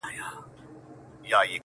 ه ياره کندهار نه پرېږدم.